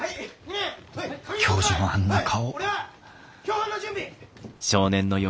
教授のあんな顔。